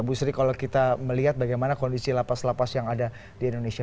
bu sri kalau kita melihat bagaimana kondisi lapas lapas yang ada di indonesia